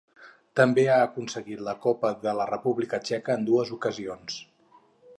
També ha aconseguit la Copa de la República Txeca en dues ocasions.